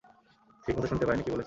ঠিক মত শুনতে পাই নি কী বলেছেন?